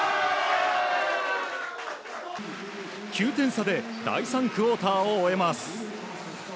９点差で第３クオーターを終えます。